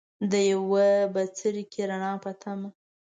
د یو بڅرکي ، رڼا پۀ تمه